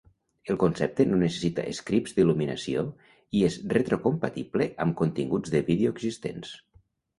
El concepte no necessita scripts d'il·luminació i és retrocompatible amb continguts de vídeo existents.